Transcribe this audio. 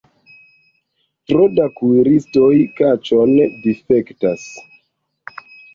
Tro da kuiristoj kaĉon difektas.